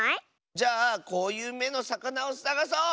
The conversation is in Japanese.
じゃあこういう「め」のさかなをさがそう！